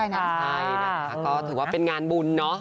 ใช่นะคะก็ถือว่าเป็นงานบุญเนอะ